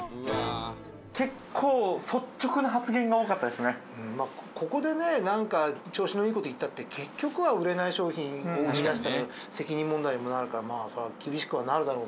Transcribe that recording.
結構ここでねなんか調子のいい事言ったって結局は売れない商品を生み出したら責任問題にもなるからまあ厳しくはなるだろうけど。